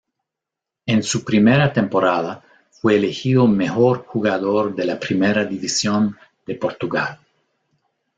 En su primera temporada fue elegido mejor jugador de la Primera División de Portugal.